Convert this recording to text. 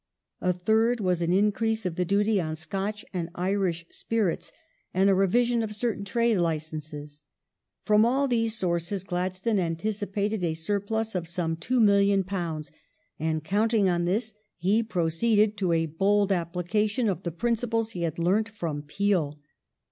A third was an increase of the duty on Scotch and Irish spirits, and a revision of certain trade licenses. From all these sources Gladstone anticipated a surplus of some £2,000,000, and, counting on this, he proceeded to a bold application of the principles he had learnt from Peel.